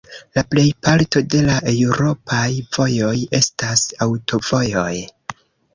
La plejparto de la Eŭropaj Vojoj estas aŭtovojoj.